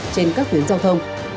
trên các tuyến giao thông